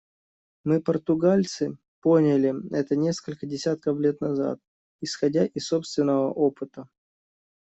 Мы, португальцы, поняли это несколько десятков лет назад, исходя из собственного опыта.